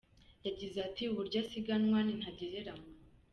Yagize ati “Uburyo asiganwa ni ntagereranywa.